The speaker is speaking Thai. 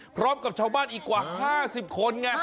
พร้อมกับชาวบ้านอีกกว่า๕๐คนไง